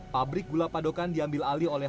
pabrik gula padokan diambil alih oleh